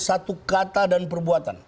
satu kata dan perbuatan